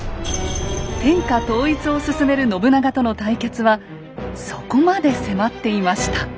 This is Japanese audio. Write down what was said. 天下統一を進める信長との対決はそこまで迫っていました。